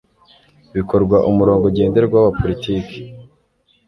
bikorwa umurongo ngenderwaho wa politiki